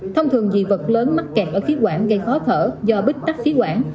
thông thường dị vật lớn mắc kẹt ở khí quản gây khó thở do bích tắt khí quản